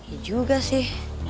iya juga sih